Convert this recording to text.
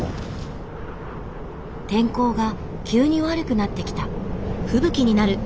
天候が急に悪くなってきた。